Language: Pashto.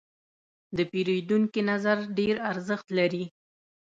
د پیرودونکي نظر ډېر ارزښت لري.